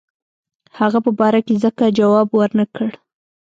هغه په باره کې ځکه جواب ورنه کړ.